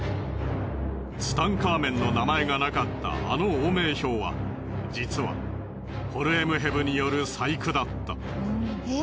ツタンカーメンの名前がなかったあの王名表は実はホルエムヘブによる細工だった。